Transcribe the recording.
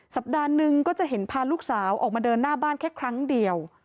สัปดาห์นึงก็จะเห็นพาลูกสาวออกมาเดินหน้าบ้านแค่ครั้งเดียว